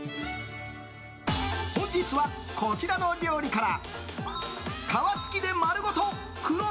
本日は、こちらの料理から。